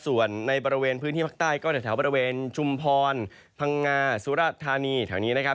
ส่วนในบริเวณพื้นที่ภาคใต้ก็แถวบริเวณชุมพรพังงาสุรธานีแถวนี้นะครับ